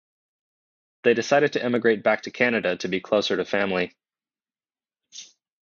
They decided to emigrate back to Canada to be closer to family.